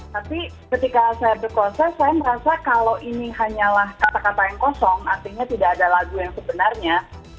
tapi ketika saya berkosa saya merasa kalau ini hanyalah kata kata yang kosong artinya tidak ada lagu yang sebenarnya